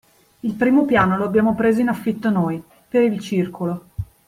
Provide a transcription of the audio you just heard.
Il primo piano lo abbiamo preso in affitto noi, per il circolo.